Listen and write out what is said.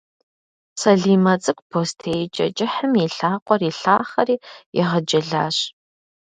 Салимэ цӏыкӏу бостеикӏэ кӏыхьым и лъакъуэр илъахъэри игъэджэлащ.